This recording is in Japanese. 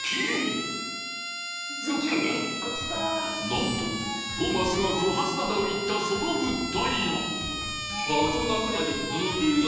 なんとトーマスが不発弾だと言ったその物体は。